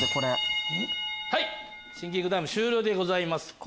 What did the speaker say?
シンキングタイム終了でございます。